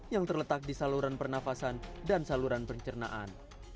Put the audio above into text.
yang terletak di saluran pernafasan dan saluran pencernaan